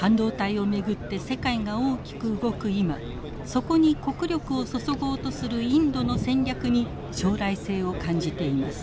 そこに国力を注ごうとするインドの戦略に将来性を感じています。